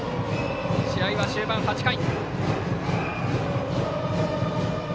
試合は終盤、８回。